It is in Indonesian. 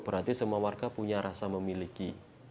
berarti semua warga punya rasa memiliki